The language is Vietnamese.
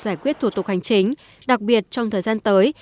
giải quyết thủ tục hành chính đặc biệt trong thời gian tới